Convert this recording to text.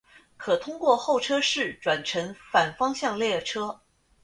可通过候车室转乘反方向列车。